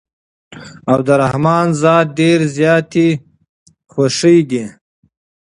او د رحمن ذات ډېرې زياتي خوښې دي